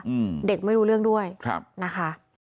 อืมเด็กไม่รู้เรื่องด้วยครับนะคะ